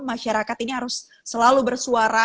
masyarakat ini harus selalu bersuara